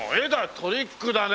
トリックだね。